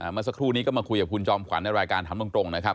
เมื่อสักครู่นี้ก็มาคุยกับคุณจอมขวัญในรายการถามตรงนะครับ